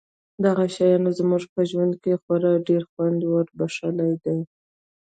دغو شیانو زموږ ژوند ته خورا ډېر خوند وربښلی دی